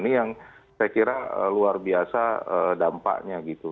ini yang saya kira luar biasa dampaknya gitu